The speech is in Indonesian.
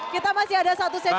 kita masih ada satu sesi lagi